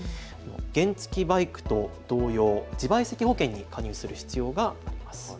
原付きバイクと同様、自賠責保険に加入する必要があります。